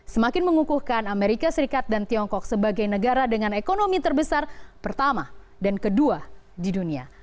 semakin mengukuhkan amerika serikat dan tiongkok sebagai negara dengan ekonomi terbesar pertama dan kedua di dunia